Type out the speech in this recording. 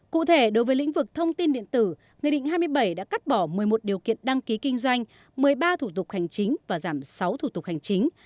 cụ thể đối với lĩnh vực thông tin điện tử nghị định hai mươi bảy đã cắt bỏ một mươi một điều kiện đăng ký kinh doanh một mươi ba thủ tục hành chính và giảm sáu thủ tục hành chính